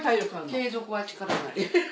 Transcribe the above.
継続は力なり。